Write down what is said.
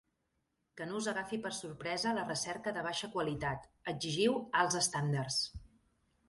Que no us agafi per sorpresa la recerca de baixa qualitat, exigiu alts estàndards.